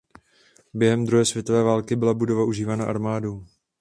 Během druhé světové války byla budova užívána armádou.